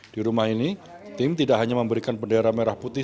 di rumah ini tim tidak hanya memberikan bendera merah putih